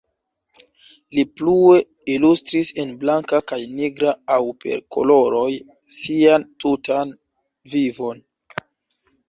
Li plue ilustris en blanka kaj nigra aŭ per koloroj sian tutan vivon.